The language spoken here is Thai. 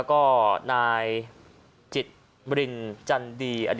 คหมดวันหนึ่ง